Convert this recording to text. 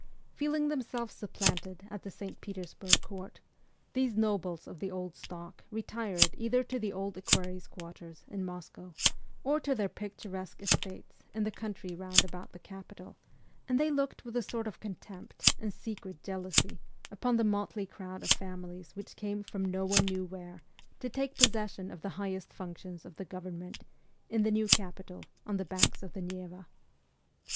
Feeling themselves supplanted at the St. Petersburg court, these nobles of the old stock retired either to the Old Equerries' Quarter in Moscow, or to their picturesque estates in the country round about the capital, and they looked with a sort of contempt and secret jealousy upon the motley crowd of families which came ' from no one knew where ' to take possession of the highest functions of the government, in the new capital on the banks of the Neva.